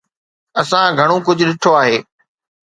اسان گهڻو ڪجهه ڏٺو آهي.